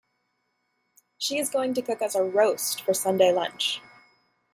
She is going to cook us a roast for Sunday lunch